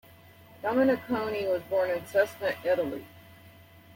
Domeniconi was born in Cesena, Italy.